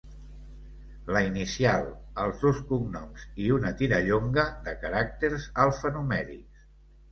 La inicial, els dos cognoms i una tirallonga de caràcters alfanumèrics.